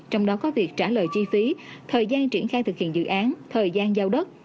trong đó có việc trả lời chi phí thời gian triển khai thực hiện dự án thời gian giao đất